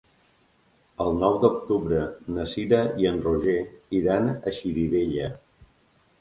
El nou d'octubre na Cira i en Roger iran a Xirivella.